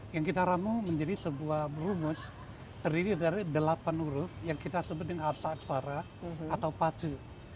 yang kita ramu menjadi sebuah rumus terdiri dari delapan uruf yang kita sebutkan arta ara atau pace